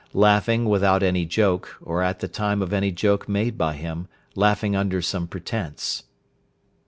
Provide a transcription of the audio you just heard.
Laughing without any joke, or at the time of any joke made by him, laughing under some pretence.